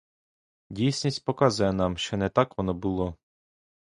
Дійсність показує нам, що не так воно було.